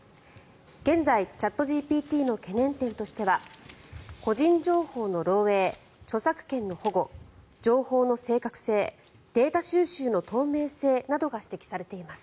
現在チャットＧＰＴの懸念点としては個人情報の漏えい、著作権の保護情報の正確性データ収集の透明性などが指摘されています。